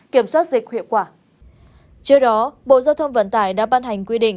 hiệu quả trước đó bộ giao thông vận tải đã ban hành quy định